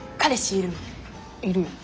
いるよ。